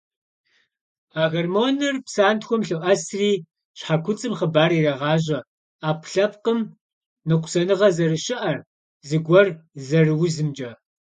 А гормоныр псантхуэхэм лъоӏэсри, щхьэкуцӏым хъыбар ирегъащӏэ ӏэпкълъэпкъым ныкъусаныгъэ зэрыщыӏэр, зыгуэр зэрыузымкӏэ.